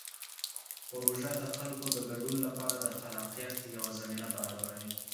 پروژه د خلکو د ګډون لپاره د خلاقیت یوه زمینه برابروي.